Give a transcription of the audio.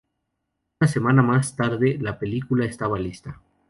Una semana más tarde, la película estaba lista.